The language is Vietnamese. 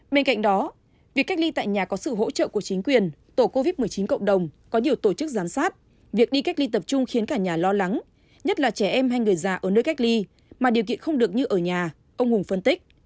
bên cạnh đó việc cách ly tại nhà có sự hỗ trợ của chính quyền tổ covid một mươi chín cộng đồng có nhiều tổ chức giám sát việc đi cách ly tập trung khiến cả nhà lo lắng nhất là trẻ em hay người già ở nơi cách ly mà điều kiện không được như ở nhà ông hùng phân tích